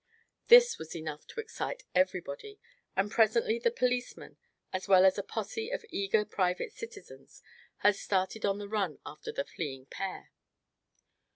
This was enough to excite everybody; and presently the policemen, as well as a posse of eager private citizens had started on the run after the fleeing pair.